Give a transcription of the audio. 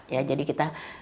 ya jadi kita